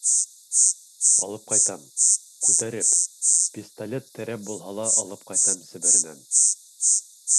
— Алып ҡайтам, күтәреп, пистолет терәп булһа ла алып ҡайтам Себеренән.